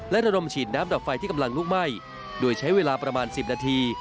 และระดมฉีดน้ำดับไฟที่กำลังลุกไหม้โดยใช้เวลาประมาณ๑๐นาที